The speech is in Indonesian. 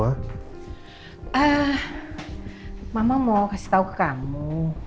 eh mama mau kasih tau ke kamu